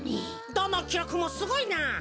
どのきろくもすごいな！